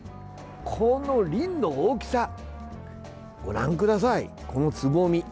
この輪の大きさご覧ください、このつぼみ。